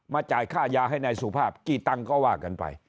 จ่ายค่ายาให้นายสุภาพกี่ตังค์ก็ว่ากันไป